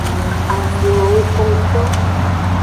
Avun lo woko ngto.